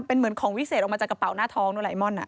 เป็นเหมือนของวิเศษออกมาจากกระเป๋าหน้าท้องโนไลมอน